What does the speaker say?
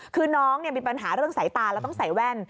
คือน้องมีปัญหาเรื่องสายตาแล้วต้องใส่แว่น